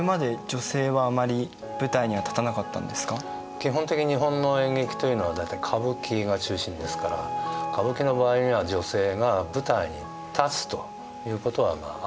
基本的に日本の演劇というのは大体歌舞伎が中心ですから歌舞伎の場合には女性が舞台に立つということはなかったわけですね。